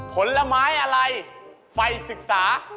ผลไม้อะไรไฟศึกษา